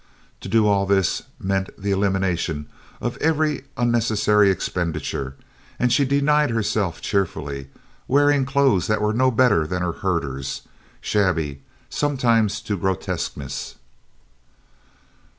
To do all this meant the elimination of every unnecessary expenditure and she denied herself cheerfully, wearing clothes that were no better than her herders', shabby sometimes to grotesqueness.